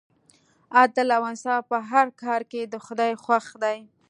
عدل او انصاف په هر کار کې د خدای خوښ دی.